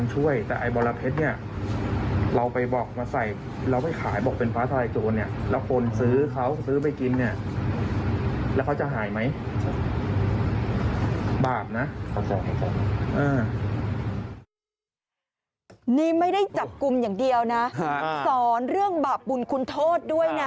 นี่ไม่ได้จับกลุ่มอย่างเดียวนะสอนเรื่องบาปบุญคุณโทษด้วยนะ